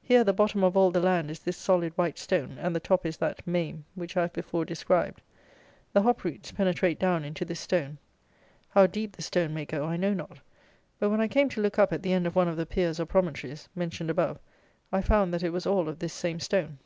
Here the bottom of all the land is this solid white stone, and the top is that mame, which I have before described. The hop roots penetrate down into this stone. How deep the stone may go I know not; but, when I came to look up at the end of one of the piers, or promontories, mentioned above, I found that it was all of this same stone.